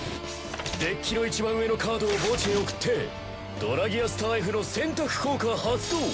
デッキのいちばん上のカードを墓地へ送ってドラギアスターＦの選択効果発動。